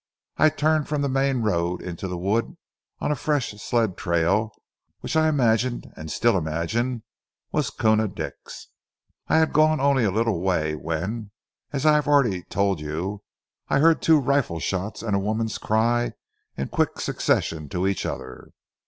I turned from the main road into the wood on a fresh sled trail which I imagined and still imagine was Koona Dick's. I had gone only a little way, when, as I have already told you, I heard two rifle shots and a woman's cry in quick succession to each other.